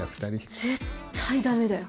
絶対ダメだよ。